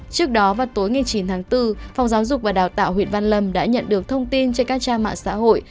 trước đó vào tối ngày chín tháng bốn phòng giáo dục và đào tạo huyện văn lâm đã nhận được thông tin trên các trang mạng xã hội